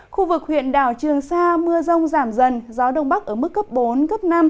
khu vực huyện đảo trường sa mưa rông giảm dần gió đông bắc ở mức cấp bốn cấp năm